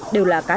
đều là cá nhân